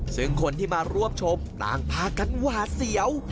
ซึ่งคนที่มาร่วมชมต่างพากันหวาดเสียว